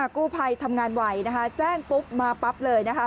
กู้ภัยทำงานไหวนะคะแจ้งปุ๊บมาปั๊บเลยนะคะ